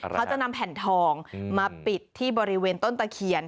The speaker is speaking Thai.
เขาจะนำแผ่นทองมาปิดที่บริเวณต้นตะเคียน